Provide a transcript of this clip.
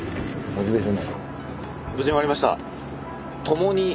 無事終わりました。